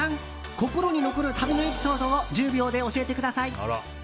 心に残る旅のエピソードを１０秒で教えてください。